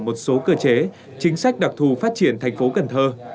một số cơ chế chính sách đặc thù phát triển thành phố cần thơ